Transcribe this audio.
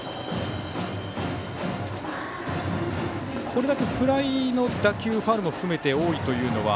これだけフライの打球ファウルも含めて多いというのは？